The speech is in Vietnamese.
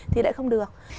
thì lại không được